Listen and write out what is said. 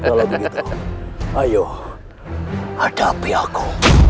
kalau begitu ayo hadapi aku